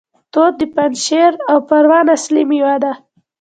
توت د پنجشیر او پروان اصلي میوه ده.